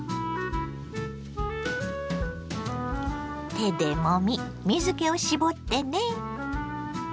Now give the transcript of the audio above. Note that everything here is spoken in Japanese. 手でもみ水けを絞ってね。